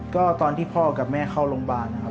ก็ตอนที่พ่อกับแม่เข้าโรงพยาบาลนะครับ